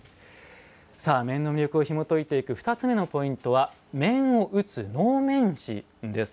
面の魅力をひもといていく２つ目のポイントは「面を打つ能面師」です。